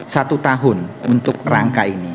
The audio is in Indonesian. satu tahun untuk rangka ini